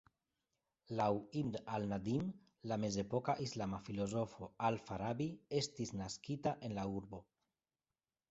Laŭ "Ibn al-Nadim", la mezepoka islama filozofo "Al-Farabi" estis naskita en la urbo.